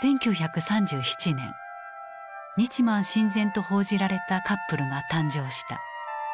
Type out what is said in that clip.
１９３７年日満親善と報じられたカップルが誕生した。